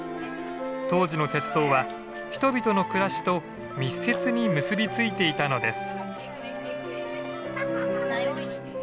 当時の鉄道は人々の暮らしと密接に結びついていたのです。